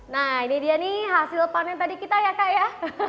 nah ini dia nih hasil panen tadi kita ya kak ya